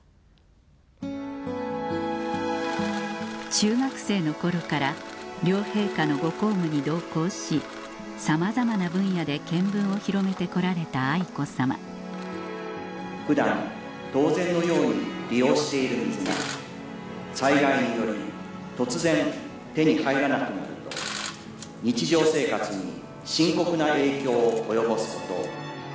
中学生の頃から両陛下のご公務に同行しさまざまな分野で見聞を広めてこられた愛子さま普段当然のように利用している水が災害により突然手に入らなくなると日常生活に深刻な影響を及ぼすこと。